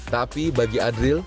tapi bagi adril